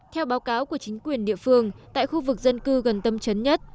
theo báo cáo của chính quyền địa phương tại khu vực dân cư gần tâm chấn nhất